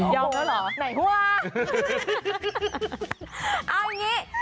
ยอมแล้วเหรอ